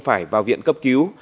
phải vào viện cấp cứu